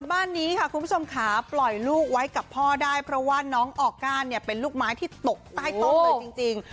บ้านนี้ค่ะคุณผู้ชมค่ะปล่อยลูกไว้กับพ่อได้เพราะว่าน้องออกก้านเนี่ยเป็นลูกไม้ที่ตกใต้โต๊ะเลยจริง